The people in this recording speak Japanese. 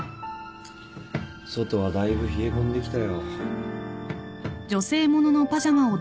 外はだいぶ冷え込んできたよ。